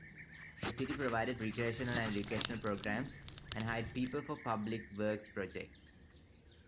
The city provided recreational and educational programs, and hired people for public works projects.